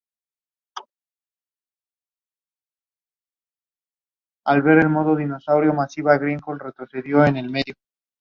He currently serves as the Director General Project Seabird.